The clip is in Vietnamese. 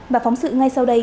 và phóng sự ngay sau đây